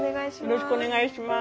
よろしくお願いします。